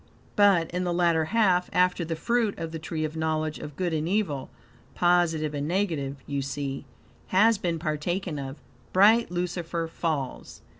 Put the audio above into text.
But in the latter half, after the fruit of the tree of knowledge of good and evil (positive and negative, you see) has been partaken of, bright Lucifer falls.